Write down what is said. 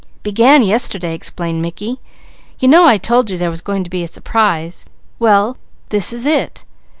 "Began yesterday," explained Mickey. "You know I told you there was going to be a surprise. Well this is it.